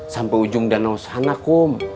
sampe ujung danau sana kum